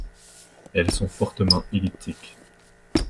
Elles sont fortement elliptiques.